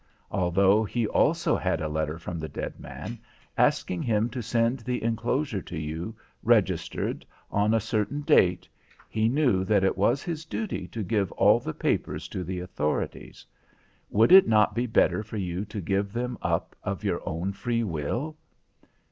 Although he also had a letter from the dead man, asking him to send the enclosure to you, registered, on a certain date, he knew that it was his duty to give all the papers to the authorities. Would it not be better for you to give them up of your own free will?"